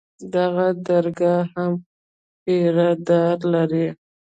دغه درګاه هم پيره دار لري.